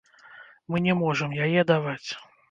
Мы не можам яе даваць.